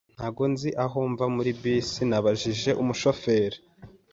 Ntabwo nzi aho mva muri bisi, nabajije umushoferi.